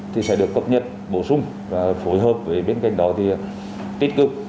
thì sẽ được cập nhật bổ sung và phối hợp với bên cạnh đó thì tích cực